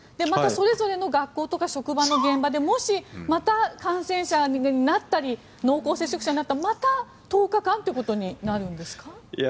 また、それぞれの学校とか職場の現場でもし、また感染者になったり濃厚接触者になったらまた１０日間ということになるんですか。